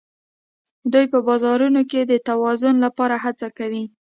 دوی په بازارونو کې د توازن لپاره هڅه کوي